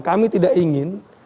kami tidak ingin